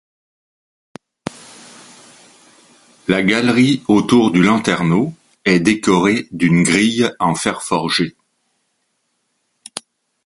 La galerie autour du lanterneau est décorée d'une grille en fer forgé.